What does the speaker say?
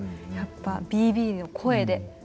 やっぱＢＢの声で。